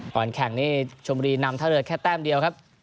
ก่อนแข่งนี่ชมบุรีนำท่าเรือแค่แต้มเดียวครับ